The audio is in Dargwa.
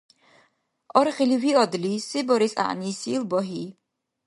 Аргъили виадли, се барес гӀягӀнисил багьи.